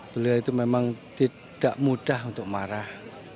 beliau itu memang tidak mudah untuk marah